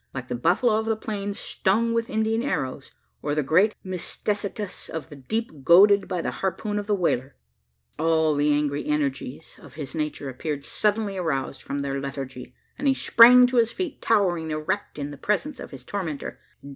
Like the buffalo of the plains stung with Indian arrows, or the great mysticetus of the deep goaded by the harpoon of the whaler, all the angry energies of his nature appeared suddenly aroused from their lethargy; and he sprang to his feet, towering erect in the presence of his tormentor.